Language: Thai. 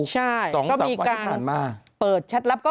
ใช่ก็มีการเปิดแชทลับ